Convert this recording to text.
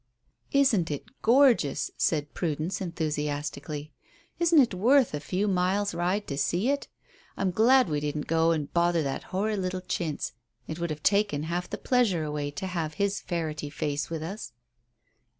"Isn't it gorgeous?" said Prudence enthusiastically. "Isn't it worth a few miles' ride to see it? I'm glad we didn't go and bother that horrid little Chintz. It would have taken half the pleasure away to have had his ferrety face with us."